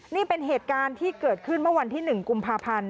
นี่เป็นเหตุการณ์ที่เกิดขึ้นเมื่อวันที่๑กุมภาพันธ์